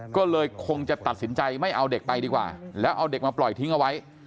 ก็เลยคงจะตัดสินใจไม่เอาเด็กไปดีกว่าแล้วเอาเด็กมาปล่อยทิ้งเอาไว้